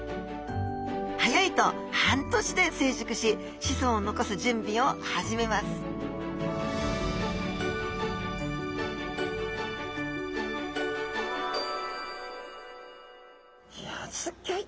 早いと半年で成熟し子孫を残す準備を始めますいやあすギョい